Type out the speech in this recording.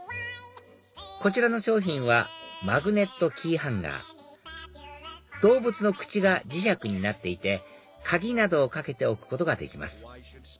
こちらの商品はマグネットキーハンガー動物の口が磁石になっていて鍵などを掛けておくことができます